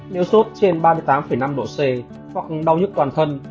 nếu sốt trên ba mươi tám năm độ c hoặc đau nhất toàn thân